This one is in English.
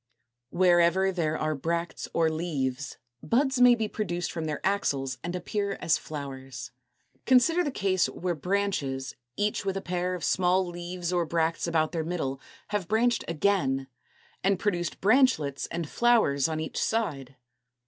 Wherever there are bracts or leaves, buds may be produced from their axils and appear as flowers. Fig. 212 represents the case where the branches, b b, of Fig. 211, each with a pair of small leaves or bracts about their middle, have branched again, and produced the branchlets and flowers c c, on each side.